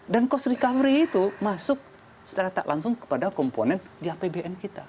cost recovery itu masuk secara tak langsung kepada komponen di apbn kita